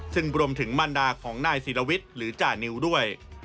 ซึ่งรวมถึงมันดาของนายศิลวิทย์หรือจานิวด้วย